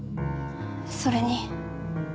それに。